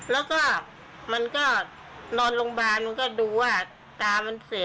แล้วก็มันก็นอนโรงพยาบาลมันก็ดูว่าตามันเส